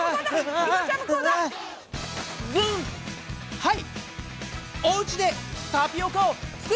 はい！